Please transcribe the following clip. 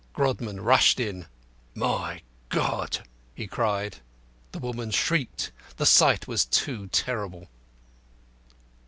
Grodman rushed in. "My God!" he cried. The woman shrieked. The sight was too terrible.